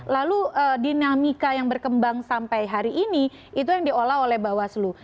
lalu dinamika yang berkembang sampai hari ini itu yang diolah oleh bawaslu